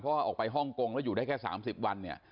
เพราะว่าออกไปฮ่องกงแล้วอยู่ได้แค่๓๐วันเนี่ย